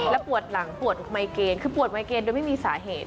และปวดหลังปวดไมเกณฑ์คือปวดไมเกณฑ์โดยไม่มีสาเหตุ